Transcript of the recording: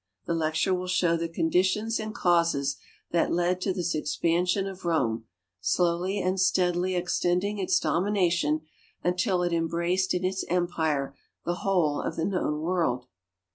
The lecture will show the conditions and causes that led to this expansion of Rome, slowly and steadily extending its dominion until it embraced in its empire the whole of the known world.